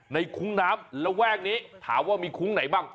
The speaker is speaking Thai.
คุ้งน้ำระแวกนี้ถามว่ามีคุ้งไหนบ้าง